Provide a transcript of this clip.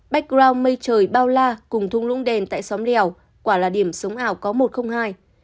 background mây trời bao la cùng thung lũng đèn tại xóm lèo quả là điểm sống ảo có một không hai